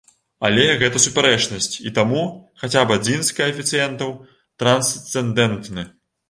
Але гэта супярэчнасць, і таму хаця б адзін з каэфіцыентаў трансцэндэнтны.